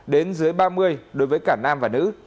đến dưới ba mươi đối với cả nam và nữ